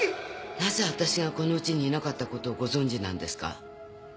なぜ私がこの家にいなかったことをご存じなんですか？